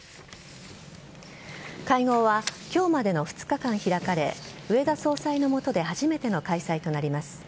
会合は今日までの２日間開かれ植田総裁の下で初めての開催となります。